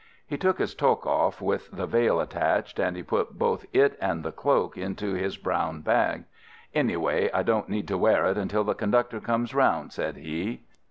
He took his toque off with the veil attached, and he put both it and the cloak into his brown bag. 'Anyway, I don't need to wear it until the conductor comes round,' said he.